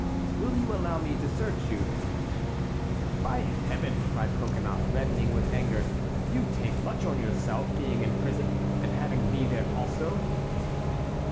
"Will you allow me to search you?" "By Heaven!" cried Coconnas, reddening with anger, "you take much on yourself, being in prison, and having me there also."